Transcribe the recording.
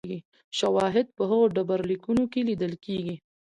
شواهد په هغو ډبرلیکونو کې لیدل کېږي